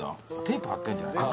テープ貼ってんじゃない？